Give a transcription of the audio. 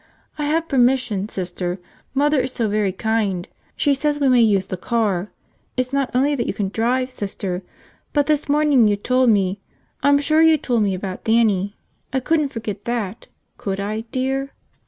"I have permission, Sister. Mother is so very kind. She says we may use the car. It's not only that you can drive, Sister, but this morning you told me – I'm sure you told me about Dannie. I couldn't forget that, could I, dear?"